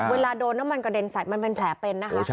เวลาโดนน้ำมันกระเด็นใส่มันเป็นแผลเป็นนะคะ